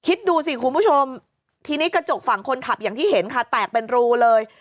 คิดดูสิคุณผู้ชมทีนี้กระจกฝั่งคนขับอย่างที่เห็นค่ะแตกเป็นรูเลย